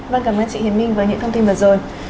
vâng cảm ơn chị hiền minh với những thông tin vừa rồi